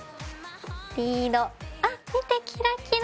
リードあっ見てキラキラ。